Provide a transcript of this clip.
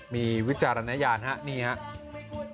มีวิจารณญาณนี่ครับ